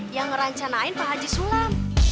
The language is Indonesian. yang ngerancanain pak haji sulam